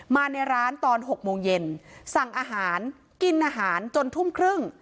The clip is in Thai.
มาในร้านตอน๖โมงเย็นสั่งอาหารกินอาหารจนทุ่มครึ่ง